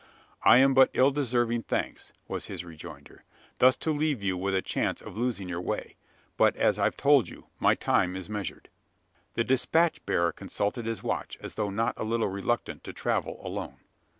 "I am but ill deserving thanks," was his rejoinder, "thus to leave you with a chance of losing your way. But, as I've told you, my time is measured." The despatch bearer consulted his watch as though not a little reluctant to travel alone.